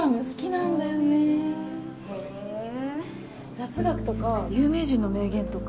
雑学とか有名人の名言とか